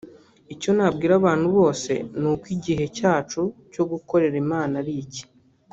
Icyo nabwira abantu bose ni uko igihe cyacu cyo gukorera Imana ari iki